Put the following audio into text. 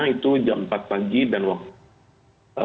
itu jam empat pagi dan waktu